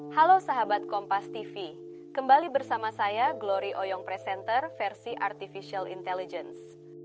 halo sahabat kompas tv kembali bersama saya glory oyong presenter versi artificial intelligence